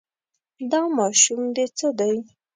دا ماشوم دې څه دی.